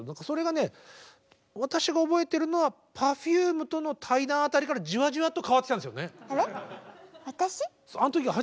それがね私が覚えてるのはＰｅｒｆｕｍｅとの対談辺りからじわじわと変わってきたんですよね。